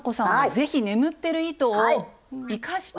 ぜひ眠っている糸を生かして。